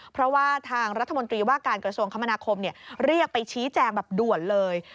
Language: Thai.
เพราะว่าทางรัฐมนตรีว่าการกระทรวงคมนาคมเรียกไปชี้แจงแบบด่วนเลย